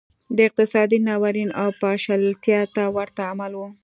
دا اقتصادي ناورین او پاشلتیا ته ورته عمل و